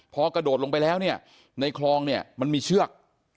พอกระโดดลงไปแล้วเนี่ยในคลองเนี่ยมันมีเชือก